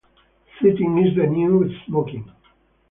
Sitting is the new smoking.